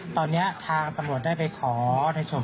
ตอนเนี้ยทางตนวดได้ไปขอให้ส่วนผม